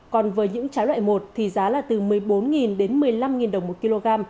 còn với những trái loại một thì giá là từ một mươi bốn đến một mươi năm đồng một kg